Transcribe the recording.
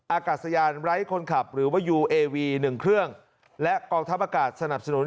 อากาศยานไร้คนขับหรือว่ายูเอวี๑เครื่องและกองทัพอากาศสนับสนุน